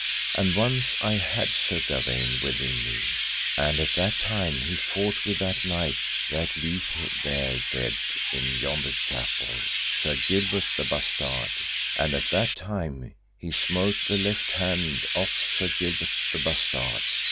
And once I had Sir Gawaine within me, and at that time he fought with that knight that lieth there dead in yonder chapel, Sir Gilbert the Bastard; and at that time he smote the left hand off of Sir Gilbert the Bastard.